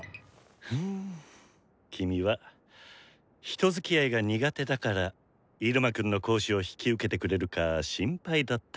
フゥ君は人づきあいが苦手だから入間くんの講師を引き受けてくれるか心配だったけど。